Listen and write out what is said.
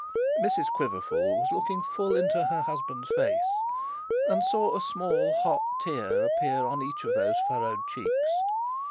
Mrs Quiverful was looking full into her husband's face, and saw a small hot tear appear on each of those furrowed cheeks.